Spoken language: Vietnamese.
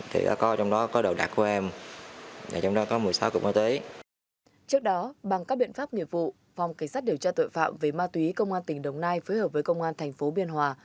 trước đó bằng các biện pháp nghiệp vụ phòng cảnh sát điều tra tội phạm về ma túy công an tỉnh đồng nai phối hợp với công an thành phố biên hòa